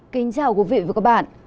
kính chào quý vị và các bạn